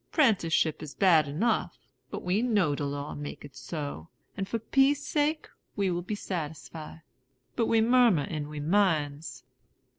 'Prenticeship is bad enough; but we know de law make it so, and for peace' sake we will be satisfy. But we murmur in we minds."